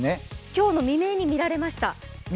今日の未明に見られました。